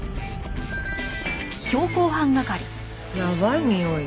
やばいにおい？